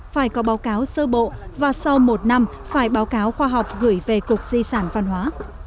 phải có báo cáo sơ bộ và sau một năm phải báo cáo khoa học gửi về cục di sản văn hóa